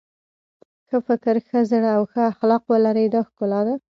ښه فکر ښه زړه او ښه اخلاق ولرئ دا ښکلا ده.